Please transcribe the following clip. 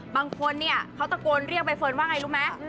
บางคนเนี่ยเขาตะโกนเรียกใบเฟิร์นว่าไงรู้ไหม